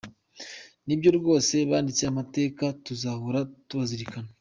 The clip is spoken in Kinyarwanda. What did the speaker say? Ni byo rwose banditse amateka tuzahora tubazirikana.